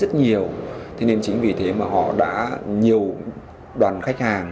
thế nên chính vì thế mà họ đã nhiều đoàn khách hàng